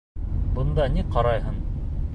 Бында ни ҡарайһың?